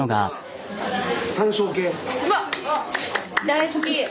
大好き。